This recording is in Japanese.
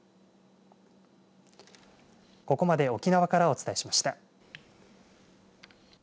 ここまで沖縄からお伝えしました。